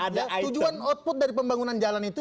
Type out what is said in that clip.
tujuan output dari pembangunan jalan itu